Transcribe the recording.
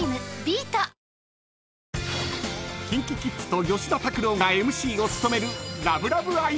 ［ＫｉｎＫｉＫｉｄｓと吉田拓郎がＭＣを務める］